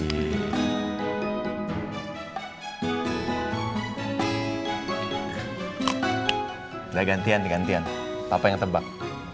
udah gantian gantian papa yang tebak